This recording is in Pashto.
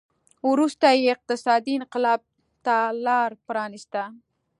وروسته یې اقتصادي انقلاب ته لار پرانېسته.